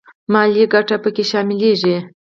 مالیه او ګټې په کې شاملېږي